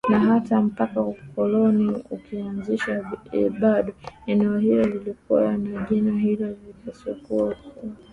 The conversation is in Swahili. Na hata mpaka ukoloni ukianzishwa bado eneo hilo lilikuwa na jina hilo isipokuwa kukawa